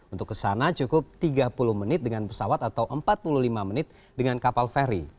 untuk kesana cukup tiga puluh menit dengan pesawat atau empat puluh lima menit dengan kapal feri